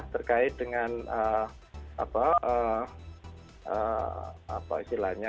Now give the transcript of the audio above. terkait dengan apa istilahnya